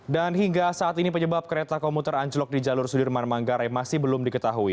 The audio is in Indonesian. dan hingga saat ini penyebab kereta komuter anjlok di jalur sudirman manggare masih belum diketahui